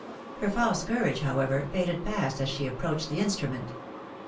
Her false courage, however, faded fast as she approached the instrument.